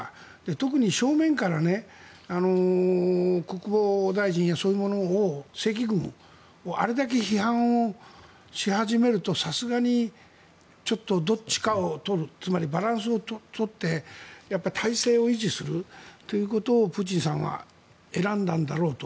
特に正面から国防大臣やそういうもの、正規軍をあれだけ批判をし始めるとさすがにちょっとどっちかを取るつまりバランスを取って体制を維持するということをプーチンさんは選んだんだろうと。